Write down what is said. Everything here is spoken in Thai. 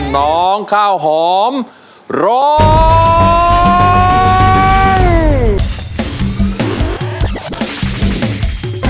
น้องข้าวหอมร้อง